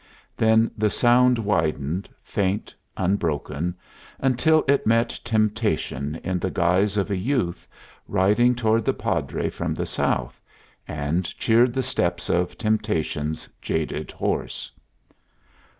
Then the sound widened, faint, unbroken, until it met Temptation in the guise of a youth, riding toward the Padre from the South, and cheered the steps of Temptation's jaded horse.